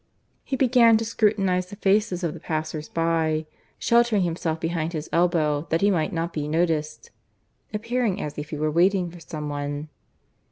He began to scrutinize the faces of the passers by, sheltering himself behind his elbow that he might not be noticed appearing as if he were waiting for some one.